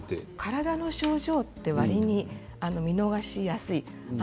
体の症状がわりに見逃しやすいんです。